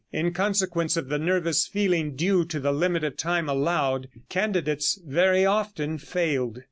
In consequence of the nervous feeling due to the limit of time allowed, candidates very often failed.